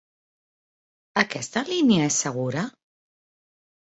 Aquesta línia és segura?